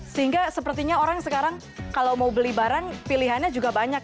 sehingga sepertinya orang sekarang kalau mau beli barang pilihannya juga banyak